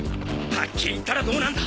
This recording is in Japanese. はっきり言ったらどうなんだ！